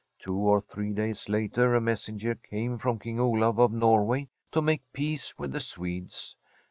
Two or three days later a messenger came from King Olaf of Norway to make peace with the Swedes.